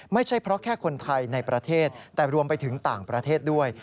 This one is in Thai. ไม่ใช่เพราะแค่คนไทยในประเทศแต่รวมไปถึงต่างประเทศด้วย